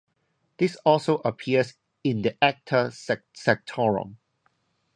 This also appears in the "Acta sanctorum".